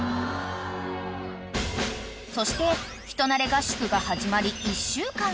［そして人馴れ合宿が始まり１週間］